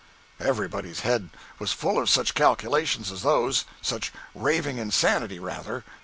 Everybody's head was full of such "calculations" as those—such raving insanity, rather.